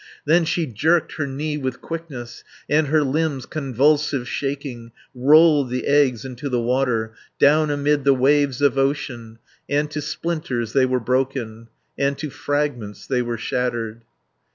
Then she jerked her knee with quickness, And her limbs convulsive shaking, Rolled the eggs into the water, Down amid the waves of ocean, And to splinters they were broken, And to fragments they were shattered.